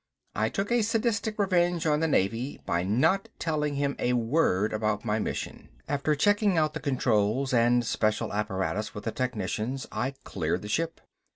I took a sadistic revenge on the Navy by not telling him a word about my mission. After checking out the controls and special apparatus with the technicians, I cleared the ship.